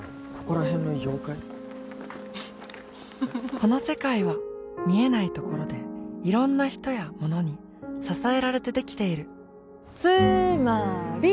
この世界は見えないところでいろんな人やものに支えられてできているつーまーり！